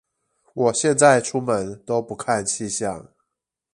我現在出門都不看氣象